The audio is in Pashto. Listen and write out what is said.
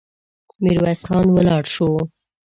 ميرويس خان ولاړ شو.